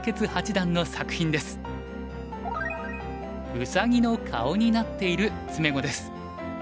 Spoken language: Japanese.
うさぎの顔になっている詰碁です。